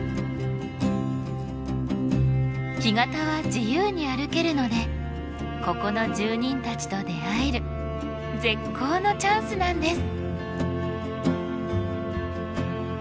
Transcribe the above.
干潟は自由に歩けるのでここの住人たちと出会える絶好のチャンスなんです。